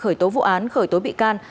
khởi tố vụ án khởi tố bị can